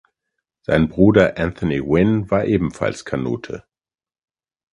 Sein Bruder Anthony Wynne war ebenfalls Kanute.